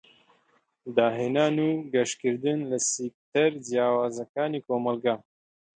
داهێنان و گەشکردن لە سیکتەر جیاوازەکانی کۆمەلگا.